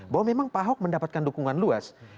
bahwa memang pak ahok mendapatkan dukungan luas